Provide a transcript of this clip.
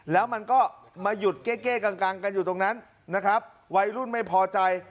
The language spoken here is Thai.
แล้วมันก็มาหยุดเก้เก้กังกันอยู่ตรงนั้นนะครับวัยรุ่นไม่พอใจ